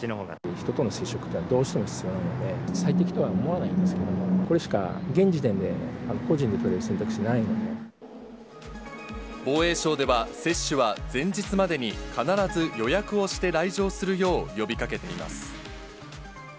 人との接触がどうしても必要なので、最適とは思わないないんですけども、これしか現時点で、個人で取防衛省では、接種は前日までに必ず予約をして来場するよう呼びかけています。